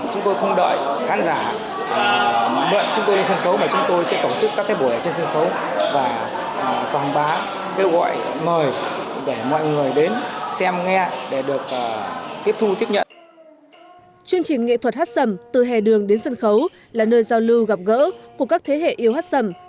chương trình nghệ thuật hát sẩm từ hè đường đến sân khấu là nơi giao lưu gặp gỡ của các thế hệ yêu hát sẩm